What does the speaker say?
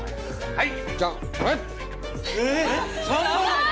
はい！